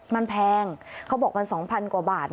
มันแพงเขาบอกมัน๒๐๐กว่าบาท